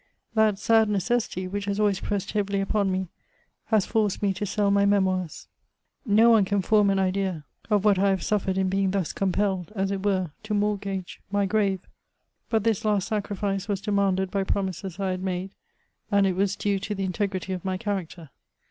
That sad necessity, which has always pressed heavily upon me, has forced me to sell my Memoirs. No one can form an ide^ of what I have suffered in being thus compelled, as it were, to mortgage my grave ; but this last sacrifice was demanded by promises I had made« and it was due to the integrity of my character.